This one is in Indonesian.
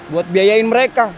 buat biayain mereka